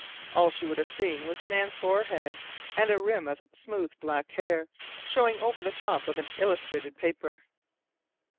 All she would have seen was a man's forehead and a rim of smooth black hair showing over the top of an illustrated paper.